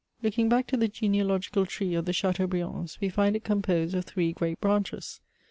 Looking back to the genealogical tree of the Chateau briands, we find it composed of three great branches.